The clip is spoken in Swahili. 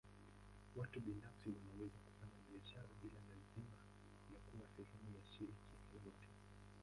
Watu binafsi wanaweza kufanya biashara bila lazima ya kuwa sehemu ya shirika lolote.